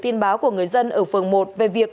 tin báo của người dân ở phường một về việc